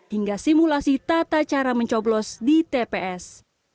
hingga simulasi tata cara mencoblos di tps